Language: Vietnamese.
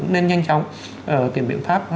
nên nhanh chóng tìm biện pháp